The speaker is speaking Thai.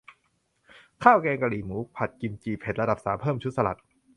ข้าวแกงกะหรี่หมูผัดกิมจิ เผ็ดระดับสาม เพิ่มชุดสลัด